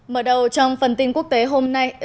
mở đầu trong phần tin quốc tế hôm nay